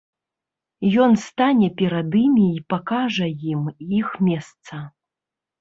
Ён стане перад імі і пакажа ім іх месца.